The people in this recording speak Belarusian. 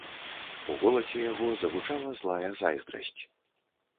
У голасе яго загучала злая зайздрасць.